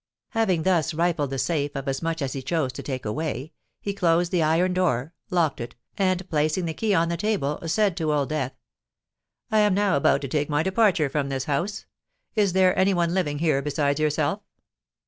Having thus rifled the safe of as much as he chose to take away, he closed the iron door, locked it, and placing the key on the table, said to Old Death, "I am now about to take my departure from this house. Is there any one living here besides yourself?"